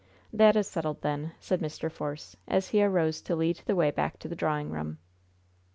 "That is settled, then," said Mr. Force, as he arose to lead the way back to the drawing room.